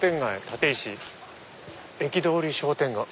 「立石駅通り商店街」。